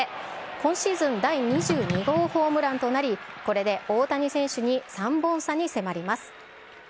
今シーズン第２２号ホームランとなり、これで大谷選手に３本差に迫ります。